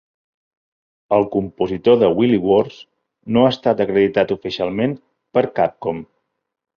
El compositor de "Wily Wars" no ha estat acreditat oficialment per Capcom.